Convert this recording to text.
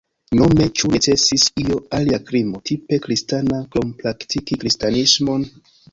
Nome ĉu necesis io alia krimo "tipe kristana" krom praktiki kristanismon?